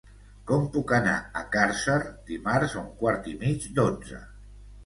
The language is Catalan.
Com puc anar a Càrcer dimarts a un quart i mig d'onze?